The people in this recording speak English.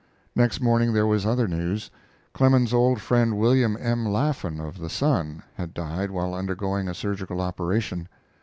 Next morning there was other news. Clemens's old friend, William M. Laffan, of the Sun, had died while undergoing a surgical operation.